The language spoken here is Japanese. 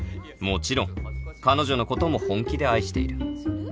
もちろん彼女のことも本気で愛している